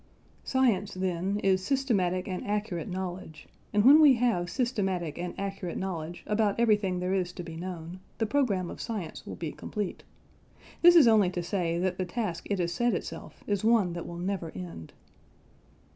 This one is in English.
" Science, then, is systematic and accurate knowledge; and when we have systematic and accurate knowledge about everything there is to be known, the programme of science will be complete. This is only to say that the task it has set itself is one that will never end.